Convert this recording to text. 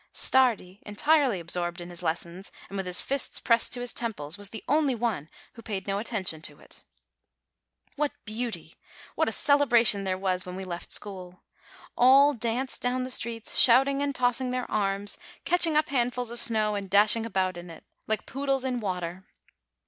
Stardi, entirely absorbed in his lessons, and with his fists pressed to his temples, was the only one who paid no attention to it. What beauty! What a celebration there was when we left school ! All danced down the streets, shouting and tossing their arms, catching up handfuls of snow, and dashing about in it, like poodles in water.